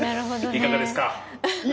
いかがですか？